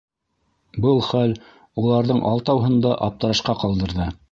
Был хәл уларҙың алтауһын да аптырашҡа ҡалдырҙы.